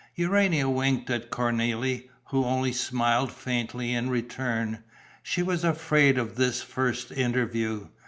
Urania winked at Cornélie, who only smiled faintly in return: she was afraid of this first interview.